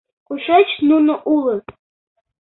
Кушеч нуно улыт?